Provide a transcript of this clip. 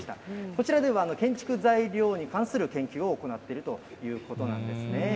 こちらでは、建築材料に関する研究を行っているということなんですね。